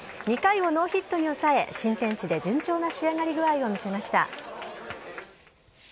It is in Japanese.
２回をノーヒットに抑え、新天地で順調な仕上がり具合を見せました。